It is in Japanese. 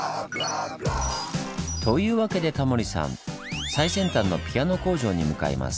というわけでタモリさん最先端のピアノ工場に向かいます。